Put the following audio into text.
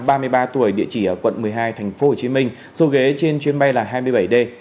ca bệnh một trăm linh ba tuổi địa chỉ ở quận một mươi hai tp hcm số ghế trên chuyến bay là hai mươi bảy d